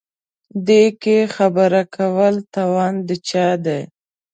دې کې خبره کول توان د چا دی.